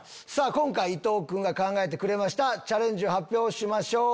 今回伊東君が考えてくれましたチャレンジを発表しましょう。